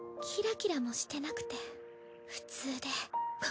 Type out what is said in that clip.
キラキラもしてなくて普通で。